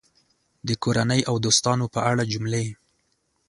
د کورنۍ او دوستانو په اړه جملې